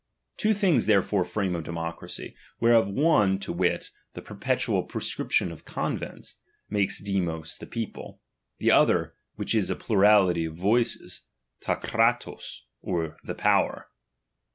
I Two things therefore frame a democracy ; whereof I one, to wit, the perpetual prescription of convents, I toakes Siinov, the people ; the other, which is a r plurality of voices, ro vparoc, or the power.